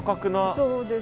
そうです。